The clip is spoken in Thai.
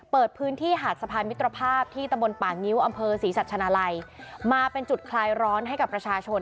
เปิดพื้นที่หาดสะพานมิตรภาพที่ตะบนป่างิ้วอำเภอศรีสัชนาลัยมาเป็นจุดคลายร้อนให้กับประชาชน